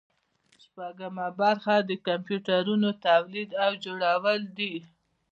شپږمه برخه د کمپیوټرونو تولید او جوړول دي.